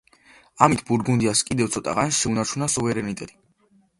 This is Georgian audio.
ამით ბურგუნდიას კიდევ ცოტა ხანს შეუნარჩუნა სუვერენიტეტი.